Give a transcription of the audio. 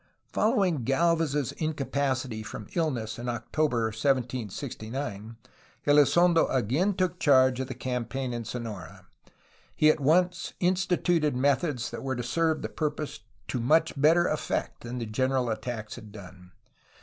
Following Galvez's incapacity from illness in October 1769, Elizondo again took charge of the campaign in Sonora. He at once instituted methods that were to serve the piu pose to much better effect than the general attacks had done.